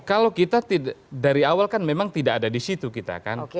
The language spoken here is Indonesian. kalau kita dari awal kan memang tidak ada di situ kita kan